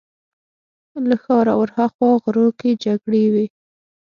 له ښاره ورهاخوا غرو کې جګړې وې.